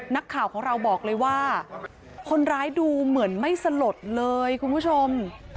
นักข่าวของเราบอกเลยว่าคนร้ายดูเหมือนไม่สลดเลยคุณผู้ชม